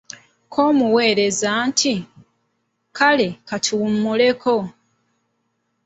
Ko omuweereza nti:"kale katuwummuleko"